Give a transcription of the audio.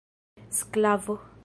sklavo